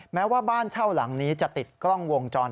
แม้ว่าบ้านเช่าหลังนี้จะติดกล้องวงจร